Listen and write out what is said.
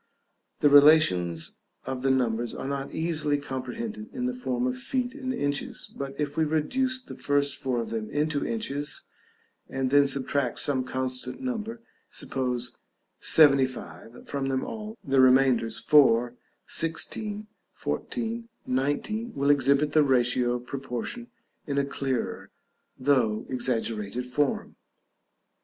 The relations of the numbers are not easily comprehended in the form of feet and inches, but if we reduce the first four of them into inches, and then subtract some constant number, suppose 75, from them all, the remainders 4, 16, 14, 19, will exhibit the ratio of proportion in a clearer, though exaggerated form.